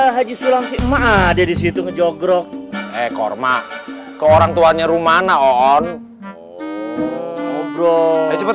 haji sulam si ma ada di situ ngejogrok ekor mak ke orangtuanya rumah naon bro cepet